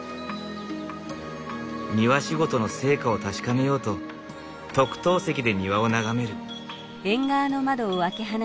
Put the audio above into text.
庭仕事の成果を確かめようと特等席で庭を眺める。